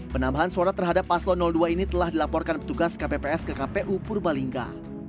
penambahan suara terhadap paslon dua ini telah dilaporkan petugas kpps ke kpu purbalingga